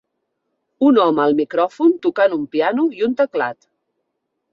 Un home al micròfon tocant un piano i un teclat.